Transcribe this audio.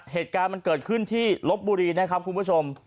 เหตุการณ์มันเกิดขึ้นที่ลบบุรีนะครับคุณผู้ชม